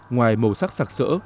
ngoài màu sắc sạc sỡ